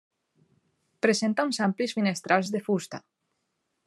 Presenta uns amplis finestrals de fusta.